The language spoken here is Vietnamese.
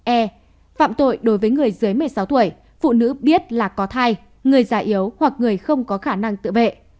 e phạm tội đối với người dưới một mươi sáu tuổi phụ nữ biết là có thai người già yếu hoặc người không có khả năng tự vệ